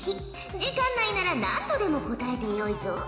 時間内なら何度でも答えてよいぞ。